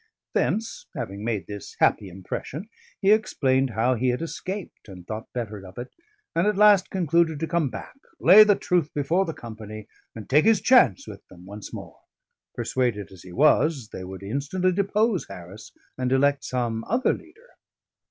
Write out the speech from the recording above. Thence, having made this happy impression, he explained how he had escaped, and thought better of it, and at last concluded to come back, lay the truth before the company, and take his chance with them once more: persuaded as he was, they would instantly depose Harris and elect some other leader.